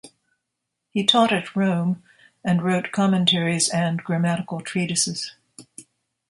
He taught at Rome, and wrote commentaries and grammatical treatises.